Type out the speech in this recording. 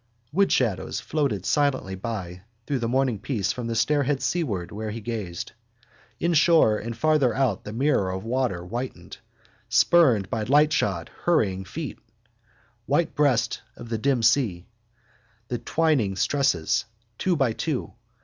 Woodshadows floated silently by through the morning peace from the stairhead seaward where he gazed. Inshore and farther out the mirror of water whitened, spurned by lightshod hurrying feet. White breast of the dim sea. The twining stresses, two by two.